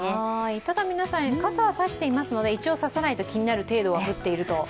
ただ皆さん、傘は差していますので一応差さないと気になる程度は降っていると。